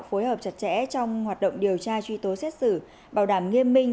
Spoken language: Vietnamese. phối hợp chặt chẽ trong hoạt động điều tra truy tố xét xử bảo đảm nghiêm minh